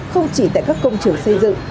không chỉ tại các công trường xây dựng